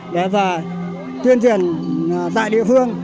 để tiên triển tại địa phương